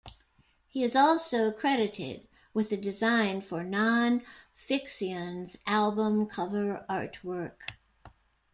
He is also credited with the design for Non Phixion's album cover artwork.